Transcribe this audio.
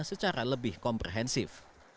secara lebih komprehensif